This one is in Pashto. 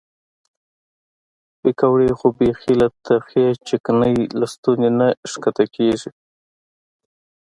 پیکورې خو بیخي له ترخې چکنۍ له ستوني نه ښکته کېږي.